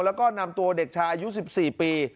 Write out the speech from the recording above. แล้วก็นำตัวเด็กชายอายุ๑๔ปี